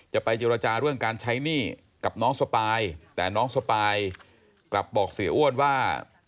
จะไปเจรจาเรื่องการใช้หนี้กับน้องสปายแต่น้องสปายกลับบอกเสียอ้วนว่า